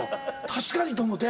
確かにと思うて。